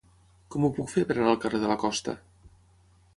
Com ho puc fer per anar al carrer de la Costa?